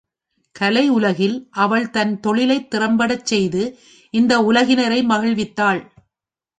கலை உலகில் அவள் தன் தொழிலைத் திறம்படச் செய்து இந்த உலகினரை மகிழ்வித்தாள்.